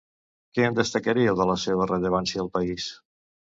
Què en destacaríeu de la seva rellevància al país?